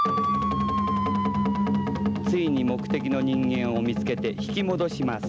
ついに目的の人間を見つけて引き戻します。